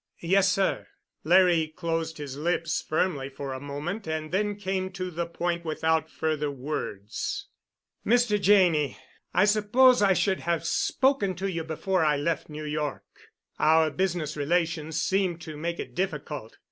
"Yes, sir." Larry closed his lips firmly for a moment, and then came to the point without further words. "Mr. Janney, I suppose I should have spoken to you before I left New York. Our business relations seemed to make it difficult.